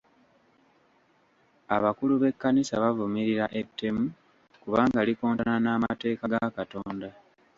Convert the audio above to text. Abakulu b'ekkanisa bavumirira ettemu kubanga likontana n'amateeka ga Katonda.